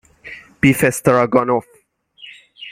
بیف استراگانف